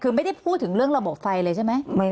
คือไม่ได้พูดถึงเรื่องระบบไฟเลยใช่ไหม